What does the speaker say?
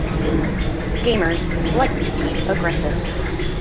Gamers like to be aggressive.